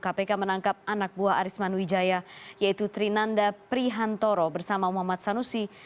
kpk menangkap anak buah arisman wijaya yaitu trinanda prihantoro bersama muhammad sanusi